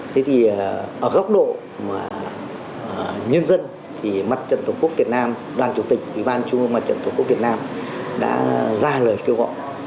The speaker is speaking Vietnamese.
thế thì ở góc độ mà nhân dân thì mặt trận tổ quốc việt nam đoàn chủ tịch ủy ban trung ương mặt trận tổ quốc việt nam đã ra lời kêu gọi